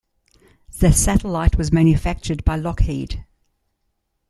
The satellite was manufactured by Lockheed.